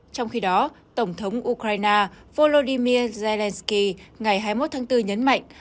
trong khi đó tổng thống ukraine volodymyr zelensky ngày hai mươi một tháng bốn nhấn mạnh